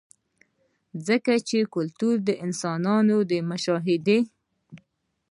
ځکه چې کلتور د انسان د مشاهدې